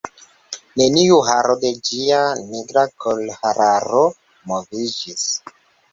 Neniu haro de ĝia nigra kolhararo moviĝis.